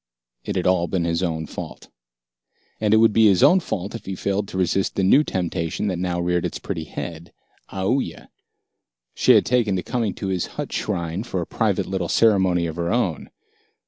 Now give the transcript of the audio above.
It had all been his own fault. And it would be his own fault if he failed to resist the new temptation that now reared its pretty head Aoooya. She had taken to coming to his hut shrine for a private little ceremony of her own.